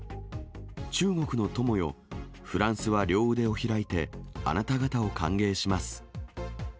中国の友よ、フランスは両腕を開いて、あなた方を歓迎します！